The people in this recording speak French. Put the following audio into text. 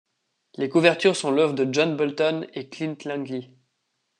Les couvertures sont l’œuvre de John Bolton et Clint Langley.